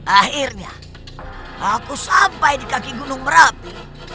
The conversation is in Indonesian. akhirnya aku sampai di kaki gunung merapi